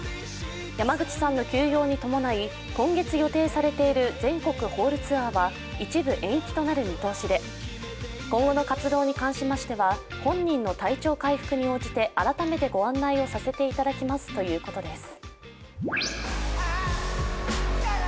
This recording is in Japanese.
山口さんの休養に伴い今月予定されている全国ホールツアーは一部延期となる見通しで今後の活動に関しましては、本人の体調回復に応じて改めてご案内をさせていただきますということです。